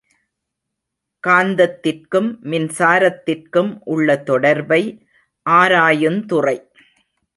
காந்தத்திற்கும் மின்சாரத்திற்கும் உள்ள தொடர்பை ஆராயுந்துறை.